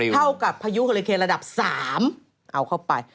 เท่ากับพายุฮอลิเคนระดับ๓เอาเข้าไป